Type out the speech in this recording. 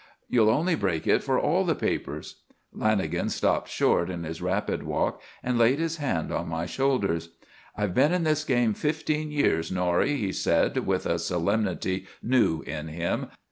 You'll only break it for all the papers." Lanagan stopped short in his rapid walk and laid his hand on my shoulders. "I've been in this game fifteen years, Norrie," he said, with a solemnity new in him.